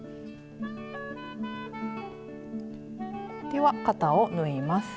では肩を縫います。